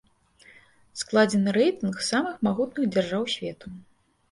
Складзены рэйтынг самых магутных дзяржаў свету.